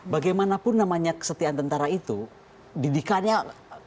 bagaimanapun namanya kesetiaan tentara itu didikanya channelnya